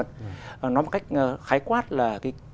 nói một cách khái quát là